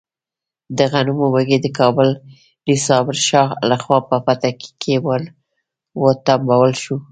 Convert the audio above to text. د غنمو وږی د کابلي صابر شاه لخوا په پټکي کې ور وټومبل شو.